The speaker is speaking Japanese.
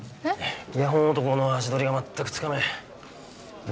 イヤホン男の足取りが全くつかめん防